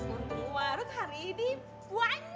untung warut hari ini banyak